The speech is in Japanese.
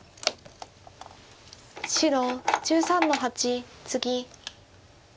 白１３の八ツギ。